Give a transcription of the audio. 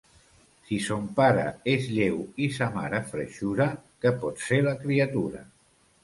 Si son pare és lleu i sa mare freixura, què pot ser la criatura.